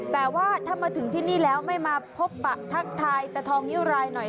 แต่ว่าถ้ามาถึงที่นี่แล้วไม่มาพบปะทักทายตะทองนิ้วรายหน่อย